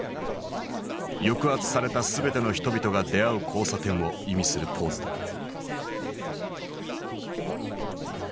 「抑圧された全ての人々が出会う交差点」を意味するポーズだ。